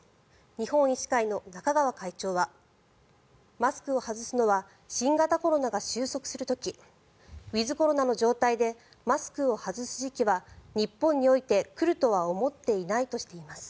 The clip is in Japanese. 日本医師会の中川会長はマスクを外すのは新型コロナが終息する時ウィズコロナの状態でマスクを外す時期は日本において来るとは思っていないとしています。